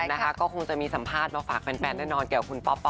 เราก็มีหน้าที่ให้กำลังใจ